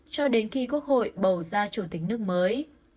cho đến khi quốc hội bầu ra chủ tịch nước mới